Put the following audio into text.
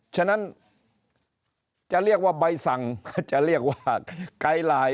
ฉะนั้นจะเรียกว่าใบสั่งก็จะเรียกว่าไกด์ไลน์